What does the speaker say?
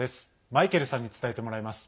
マイケルさんに伝えてもらいます。